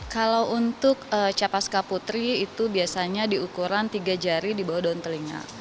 kalau untuk capaska putri itu biasanya diukuran tiga jari di bawah daun telinga